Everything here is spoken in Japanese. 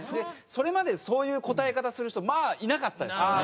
それまでそういう答え方する人まあいなかったですもんね。